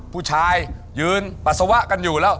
ผู้ชายยืนปัสสาวะกันอยู่แล้ว